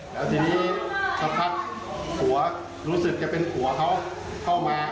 แล้วทีนี้สักพักผัวรู้สึกจะเป็นผัวเขาเข้ามา